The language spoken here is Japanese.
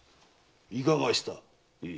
いかがした？